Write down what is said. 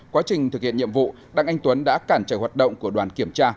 quá trình thực hiện nhiệm vụ đặng anh tuấn đã cản trời hoạt động của đoàn kiểm tra